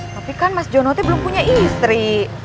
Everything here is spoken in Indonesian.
tapi kan mas jonatnya belum punya istri